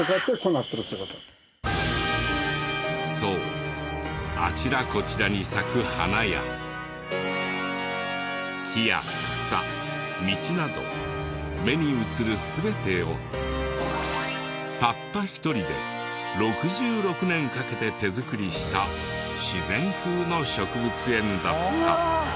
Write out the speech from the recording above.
そうあちらこちらに咲く花や木や草道など目に映る全てをたった１人で６６年かけて手作りした自然風の植物園だった。